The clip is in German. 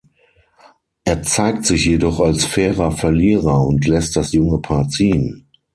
Er zeigt sich jedoch als fairer Verlierer und lässt das junge Paar ziehen.